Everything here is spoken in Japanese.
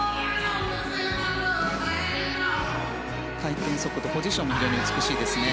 回転速度ポジションも美しいですね。